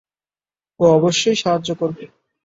ও অবশ্যই সাহায্য করবে।